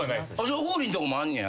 王林んとこもあんねや？